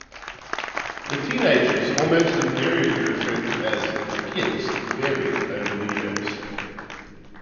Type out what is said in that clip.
The teenagers, almost invariably referred to as "the kids", varied over the years.